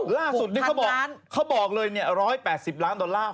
ปัจจุนเขาบอกเลย๑๘๐ล้านดอลลาร์๖๔ยนตราบ